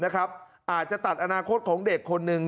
เกิดจะตัดอนาคตของเด็กของนนม